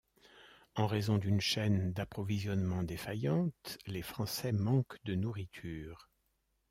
En raison d’une chaîne d’approvisionnement défaillante, les Français manquent de nourriture.